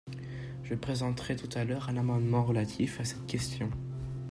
Je présenterai tout à l’heure un amendement relatif à cette question.